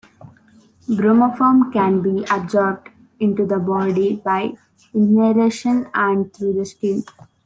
Bromoform can be absorbed into the body by inhalation and through the skin.